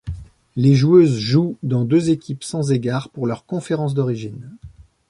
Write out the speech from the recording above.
Les joueuses jouent dans deux équipes sans égard pour leur conférence d'origine.